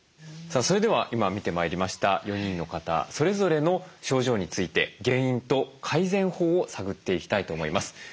さあそれでは今見てまいりました４人の方それぞれの症状について原因と改善法を探っていきたいと思います。